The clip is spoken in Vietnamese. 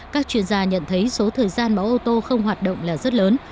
các chuyên gia nhận thấy số thời gian báo ô tô không hoạt động là rất lớn